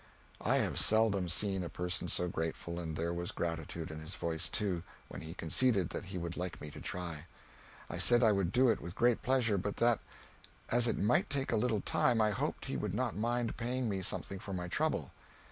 I have seldom seen a person look so grateful and there was gratitude in his voice, too, when he conceded that he would like me to try. I said I would do it with great pleasure, but that as it might take a little time I hoped he would not mind paying me something for my trouble.